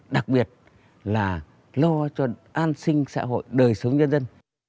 đặc biệt là lo cho an sinh xã hội đời sống nhân dân